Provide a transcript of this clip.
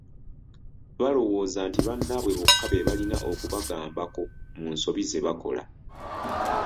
Balowooza nti bannaabwe bokka be balina okubagambako mu nsobi zebakola.